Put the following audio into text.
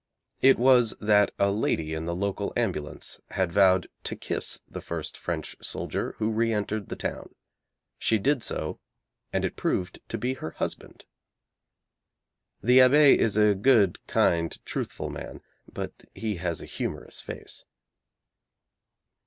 It was that a lady in the local ambulance had vowed to kiss the first French soldier who re entered the town. She did so, and it proved to be her husband. The abbé is a good, kind, truthful man but he has a humorous face.